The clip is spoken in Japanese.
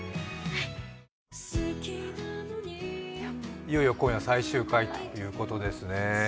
いよいよ今夜、最終回ということですね。